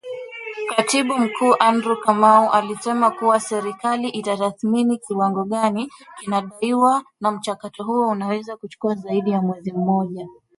Katibu Mkuu Andrew Kamau alisema kuwa, serikali inatathmini kiwango gani kinadaiwa na mchakato huo unaweza kuchukua zaidi ya mwezi mmoja.